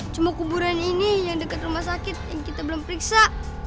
cuma kuburan ini yang dekat rumah sakit yang kita belum periksa